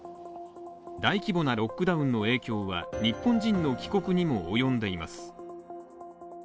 大規模なロックダウンの影響は、日本人の帰国にも及んでいます。